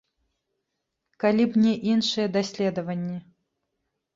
Калі б не іншыя даследаванні.